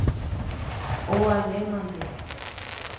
ovalémante.